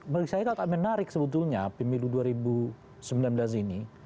menurut saya agak menarik sebetulnya pemilu dua ribu sembilan belas ini